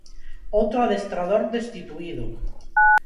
Outro adestrador destituído.